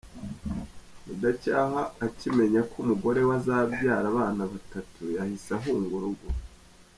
Mudacyahwa akimenya ko umugore we azabyara abana batatu yahise ahunga urugo